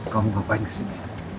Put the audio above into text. kamu mau ngapain kesini